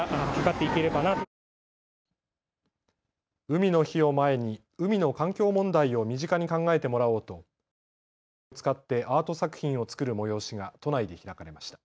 海の日を前に海の環境問題を身近に考えてもらおうと海洋ごみを使ってアート作品を作る催しが都内で開かれました。